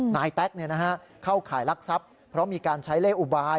นายแต๊กเข้าขายลักษัพฯเพราะมีการใช้เล่อุบาย